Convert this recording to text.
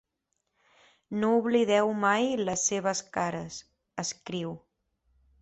No oblideu mai les seves cares, escriu.